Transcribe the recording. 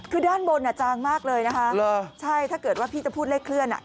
คือด้านบนอ่ะจางมากเลยนะคะใช่ถ้าเกิดว่าพี่จะพูดเลขเคลื่อนอ่ะ